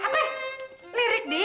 apa lirik dia